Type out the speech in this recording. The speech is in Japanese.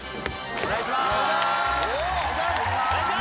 お願いします。